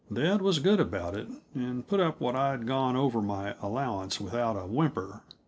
Dad was good about it, and put up what I'd gone over my allowance without a whimper.